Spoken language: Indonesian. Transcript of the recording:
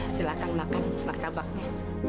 silahkan makan maka baknya